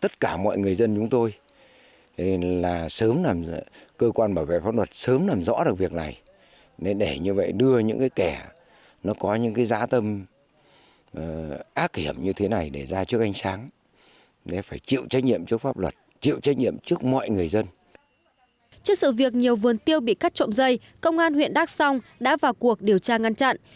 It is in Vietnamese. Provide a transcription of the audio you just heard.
trước sự việc nhiều vườn tiêu bị cắt trộm dây công an huyện đắc song đã vào cuộc điều tra ngăn chặn